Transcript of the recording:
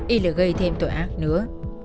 y là gây thêm tội ác nữa